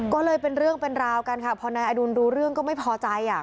ก็เลยเป็นเรื่องเป็นราวกันค่ะพอนายอดุลรู้เรื่องก็ไม่พอใจ